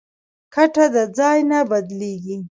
کټه د ځای نه بدلېږي.